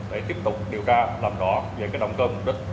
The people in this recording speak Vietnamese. để tiếp tục điều tra làm rõ về động cơ mục đích